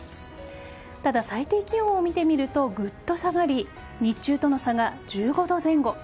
ただ、最低気温を見てみるとぐっと下がり日中との差が１５度前後。